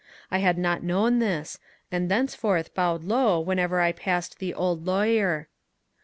I had not known this, and thenceforth bowed low whenever I passed the old lawyer.